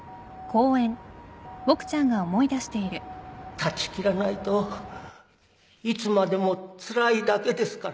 断ち切らないといつまでもつらいだけですから